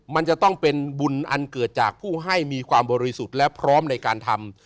มันจะต้องเป็นบุญอันเกิดจากผู้ให้มีความบริสุทธิ์และพร้อมในการทำ